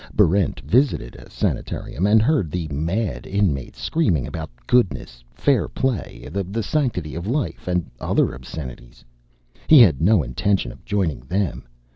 Barrent visited a sanitarium, and heard the mad inmates screaming about goodness, fair play, the sanctity of life, and other obscenities. He had no intention of joining them.